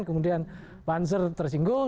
kemudian banser tersinggung